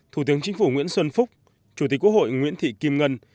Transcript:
thủ tướng chính phủ nguyễn xuân phúc chủ tịch quốc hội nguyễn thị kim ngân